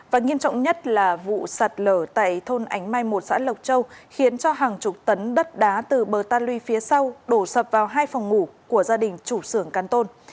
và nghiêm trọng nhất là vụ sạt lở tại thôn ánh mai một xã lộc châu khiến cho hàng chục tấn đất đá từ bờ ta luy phía sau đổ sập vào hai phòng ngủ của gia đình chủ sưởng can tôn